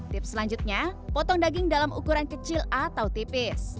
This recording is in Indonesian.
tips selanjutnya potong daging dalam ukuran kecil atau tipis